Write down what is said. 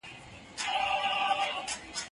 زه مړۍ خوړلي ده!.